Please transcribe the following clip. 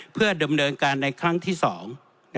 เพื่อดำเนินการในครั้งที่สอง